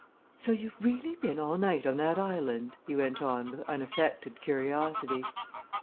So you've really been all night on that island?" he went on with unaffected curiosity.